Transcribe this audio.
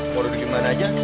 mau duduk di mana aja